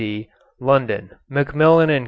D. London: Macmillan & Co.